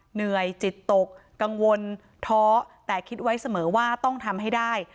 เหนื่อยจิตตกกังวลท้อแต่คิดไว้เสมอว่าต้องทำให้ได้